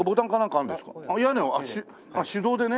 あっ手動でね。